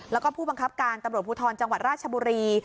แล้วก็ผู้บังคับการตำรวจภูทรจังหวัดราชบุรี